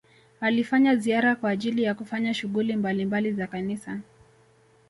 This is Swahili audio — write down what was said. alifanya ziara kwa ajili ya kufanya shughuli mbalimbali za kanisa